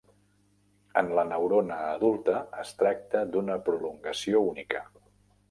En la neurona adulta es tracta d'una prolongació única.